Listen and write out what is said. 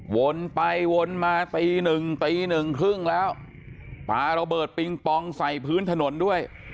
วนไปวนมาตีหนึ่งตีหนึ่งครึ่งแล้วปลาระเบิดปิงปองใส่พื้นถนนด้วย